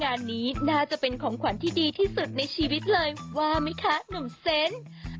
งานนี้น่าจะเป็นของขวัญที่ดีที่สุดในชีวิตเลยว่าไหมคะหนุ่มเซนต์